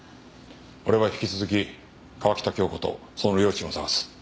俺は引き続き川喜多京子とその両親を捜す。